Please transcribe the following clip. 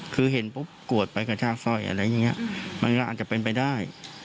คือเห็นปุ๊บโกรธไปกระชากสร้อยอะไรอย่างนี้มันก็อาจจะเป็นไปได้